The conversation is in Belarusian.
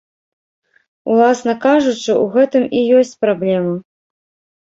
Уласна кажучы, у гэтым і ёсць праблема.